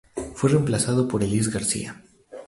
Fue reemplazado por Elias Garcia.